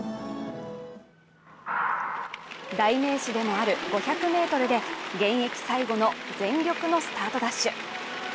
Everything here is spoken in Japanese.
代名詞でもある５００ｍで、現役最後の全力のスタートダッシュ。